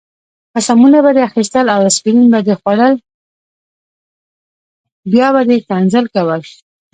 قسمونه به دې اخیستل او اسپرین به دې خوړل، بیا به دې ښکنځل کول.